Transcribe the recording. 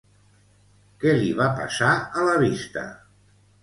Què li va passar a la vista?